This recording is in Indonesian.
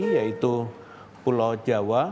yaitu pulau jawa